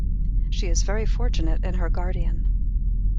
She is very fortunate in her guardian.